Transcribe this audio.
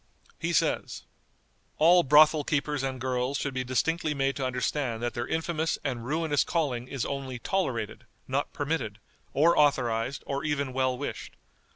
He says: "All brothel keepers and girls should be distinctly made to understand that their infamous and ruinous calling is only tolerated, not permitted, or authorized, or even well wished.